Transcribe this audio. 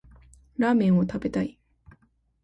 ラーメンを食べたい